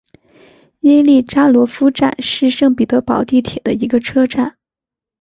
耶利扎罗夫站是圣彼得堡地铁的一个车站。